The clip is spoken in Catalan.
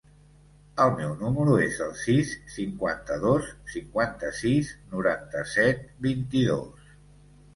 El meu número es el sis, cinquanta-dos, cinquanta-sis, noranta-set, vint-i-dos.